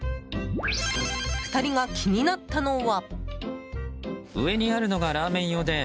２人が気になったのは。